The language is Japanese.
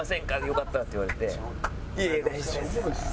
よかったら」って言われて「いやいや大丈夫です」。